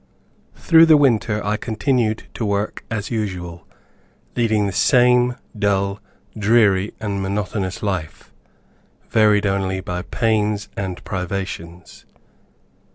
Through the winter I continued to work as usual, leading the same dull, dreary, and monotonous life, varied only by pains, and privations.